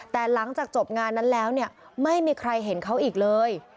แต่หลังจากจบงานนั้นแล้วเนี่ยไม่มีใครเห็นเขาอีกเลย